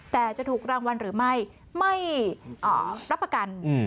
แต่จะถูกรางวัลหรือไม่ไม่รับประกัน